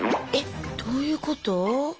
えっどういうこと？